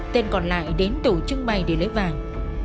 tên còn lại đến tủ trưng bày để lấy vàng